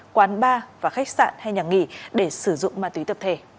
quán bar và khách sạn hay nhà nghỉ để sử dụng ma túy tập thể